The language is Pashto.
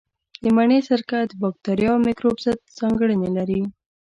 د مڼې سرکه د باکتریا او مېکروب ضد ځانګړنې لري.